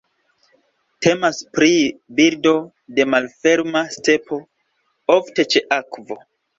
Temas pri birdo de malferma stepo, ofte ĉe akvo.